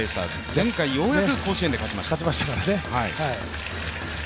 前回ようやく甲子園で勝ちました。